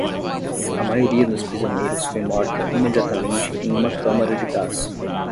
A maioria dos prisioneiros foi morta imediatamente em uma câmara de gás.